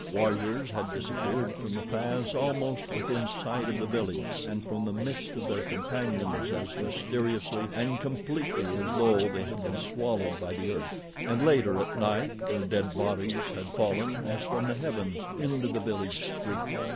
Warriors had disappeared from the paths almost within sight of the village and from the midst of their companions as mysteriously and completely as though they had been swallowed by the earth, and later, at night, their dead bodies had fallen, as from the heavens, into the village street.